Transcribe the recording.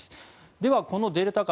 では、このデルタ株